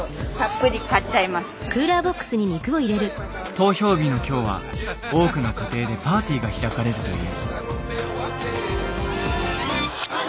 投票日の今日は多くの家庭でパーティーが開かれるという。